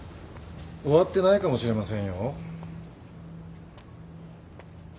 終わってないかもしれませんよ。